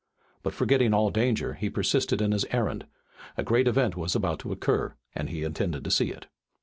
But, forgetting all danger, he persisted in his errand. A great event was about to occur, and he intended to see it.